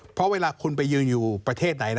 เพราะเวลาคุณไปยืนอยู่ประเทศไหน